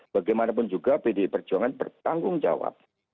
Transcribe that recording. bagaimanapun juga pdi perjuangan bertanggung jawab